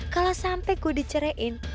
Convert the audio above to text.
kalau sampai gue diceraiin